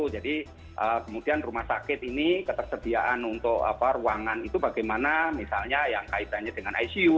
jadi kemudian rumah sakit ini ketersediaan untuk ruangan itu bagaimana misalnya yang kaitannya dengan icu